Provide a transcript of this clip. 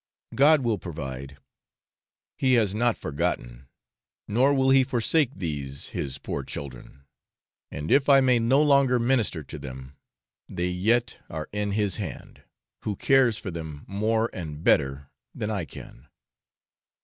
God will provide. He has not forgotten, nor will He forsake these His poor children; and if I may no longer minister to them, they yet are in His hand, who cares for them more and better than I can.